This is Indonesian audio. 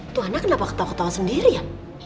tuh anak kenapa ketawa ketawa sendiri ya